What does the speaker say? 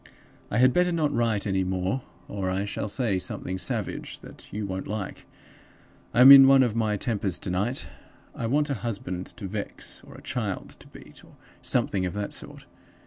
"I had better not write any more, or I shall say something savage that you won't like. I am in one of my tempers to night. I want a husband to vex, or a child to beat, or something of that sort.